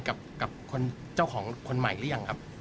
กับเจ้าของคนใหม่หรือยังครับ